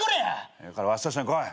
ええからわしと一緒に来い。